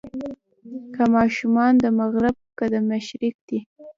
که ماشومان د مغرب که د مشرق دي.